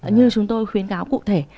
như chúng tôi khuyến cáo cụ thể